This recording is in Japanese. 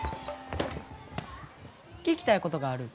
聞きたいことがある。